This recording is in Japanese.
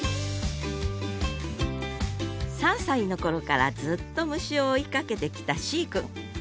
３歳の頃からずっと虫を追いかけてきた四位くん。